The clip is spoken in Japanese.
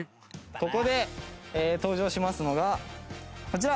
ここで登場しますのがこちら！